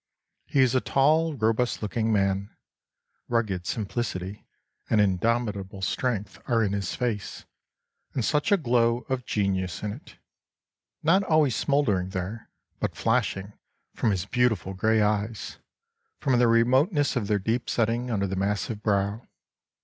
He is a tall, robust looking man; rugged simplicity and indomitable strength are in his face, and such a glow of genius in it, not always smouldering there, but flashing from his beautiful gray eyes, from the remoteness of their deep setting under that massive brow.